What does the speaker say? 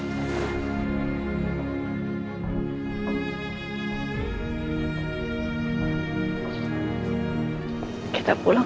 gak ada yang mau berbicara